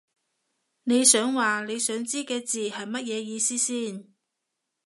你想話你想知嘅字係乜嘢意思先